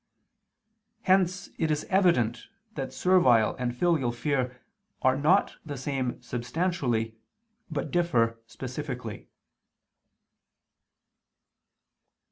Hence it is evident that servile and filial fear are not the same substantially but differ specifically.